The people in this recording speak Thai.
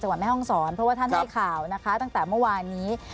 จังหวัดแม่ห้องสอนเพราะว่าท่านให้ข่าวนะคะตั้งแต่เมื่อวานนี้